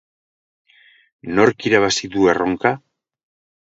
Nork irabaziko du erronka?